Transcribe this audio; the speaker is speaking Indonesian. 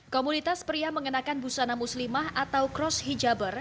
komunitas pria mengenakan busana muslimah atau cross hijaber